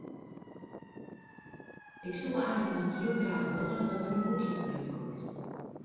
Ik soe eigentlik heel graach wolle dat der in boekje fan útkomt.